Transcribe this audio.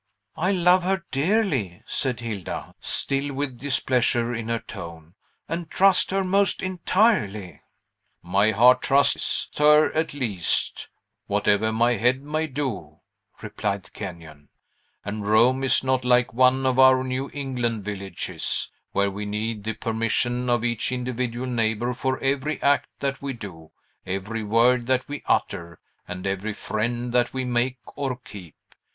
"I love her dearly," said Hilda, still with displeasure in her tone, "and trust her most entirely." "My heart trusts her at least, whatever my head may do," replied Kenyon; "and Rome is not like one of our New England villages, where we need the permission of each individual neighbor for every act that we do, every word that we utter, and every friend that we make or keep.